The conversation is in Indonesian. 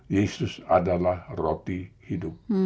yesus adalah roti hidup